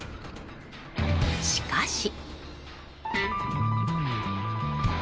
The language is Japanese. しかし。